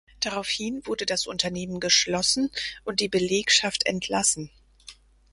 Daraufhin wurde das Unternehmen geschlossen und die Belegschaft entlassen.